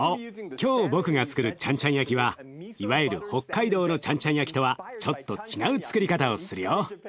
今日僕がつくるちゃんちゃん焼きはいわゆる北海道のちゃんちゃん焼きとはちょっと違うつくり方をするよ。